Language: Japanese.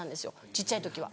小っちゃい時は。